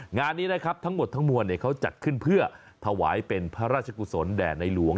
งานนี้นะครับทั้งหมดทั้งมวลเขาจัดขึ้นเพื่อถวายเป็นพระราชกุศลแด่ในหลวง